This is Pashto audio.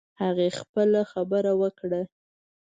هغې خپله خبره وکړه